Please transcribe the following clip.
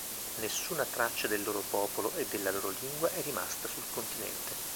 Nessuna traccia del loro popolo e della loro lingua è rimasta sul continente.